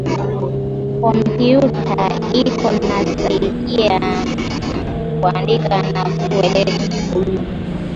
Kompiuta iko nasaidia kuandika na kupeleka ujumbe